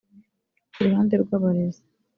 Ku ruhande rw’abarezi